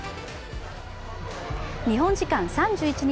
日本時間３１日